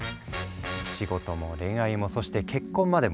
仕事も恋愛もそして結婚までも。